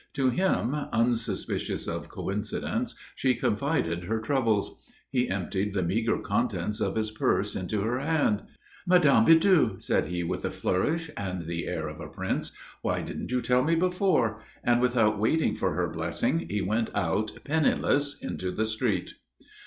To him, unsuspicious of coincidence, she confided her troubles. He emptied the meagre contents of his purse into her hand. "Madame Bidoux," said he with a flourish, and the air of a prince, "why didn't you tell me before?" and without waiting for her blessing he went out penniless into the street.